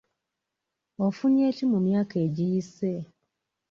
Ofunye ki mu myaka egiyise?